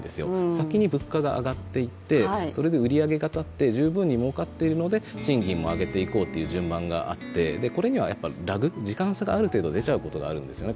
先に物価が上がっていって売り上げが上がって十分にもうかっているので賃金も上げていこうという流れがあるのでこれにはラグ、時間差がある程度出ちゃうことがあるんですよね。